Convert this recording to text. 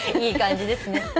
いい感じですね。